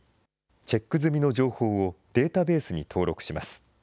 チェック済みの情報をデータベースに登録します。